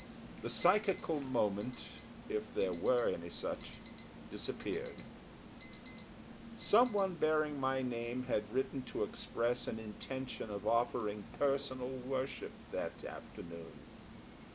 The psychical moment, if there were any such, disappeared. Someone bearing my name had written to express an intention of offering personal worship that afternoon.